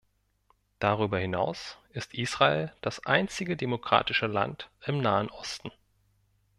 Darüber hinaus ist Israel das einzige demokratische Land im Nahen Osten.